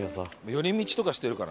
寄り道とかしてるからね。